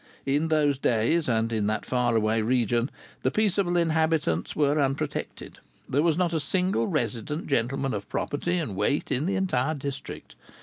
In those days, and in that far away region, the peaceable inhabitants were unprotected. There was not a single resident gentleman of property and weight in the entire district.